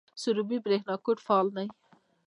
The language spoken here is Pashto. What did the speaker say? سروبي بریښنا کوټ فعال دی؟